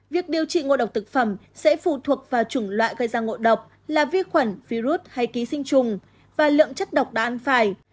việc điều trị ngộ độc thực phẩm sẽ phụ thuộc vào chủng loại gây ra ngộ độc là vi khuẩn virus hay ký sinh trùng và lượng chất độc đã ăn phải